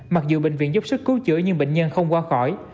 mặc dù bệnh viện giúp sức cứu chữa nhưng bệnh nhân không qua khỏi